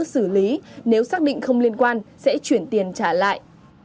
xử lý nếu xác định không liên quan sẽ chuyển tiền trả lại